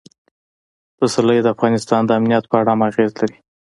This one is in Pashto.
پسرلی د افغانستان د امنیت په اړه هم اغېز لري.